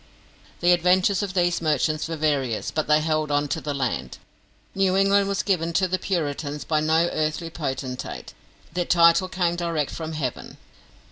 The adventures of these merchants were various, but they held on to the land. New England was given to the Puritans by no earthly potentate, their title came direct from heaven.